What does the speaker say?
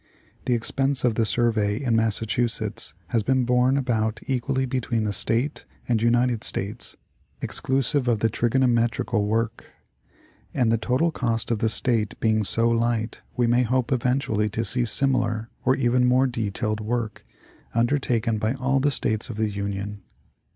The expense of the Survey in Massachusetts has been borne about equally between the State and United States, exclusive of the trigonometrical work ; and the total cost to the State being so light, we may hope eventually to see similar, or even more detailed work, un dertaken by all the States of the Union.